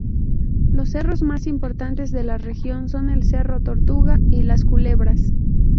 Los cerros más importantes de la región son el cerro Tortuga y Las Culebras.